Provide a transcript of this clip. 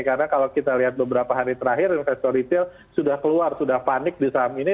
karena kalau kita lihat beberapa hari terakhir investor retail sudah keluar sudah panik di saham ini